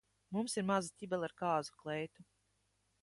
Mums ir maza ķibele ar kāzu kleitu.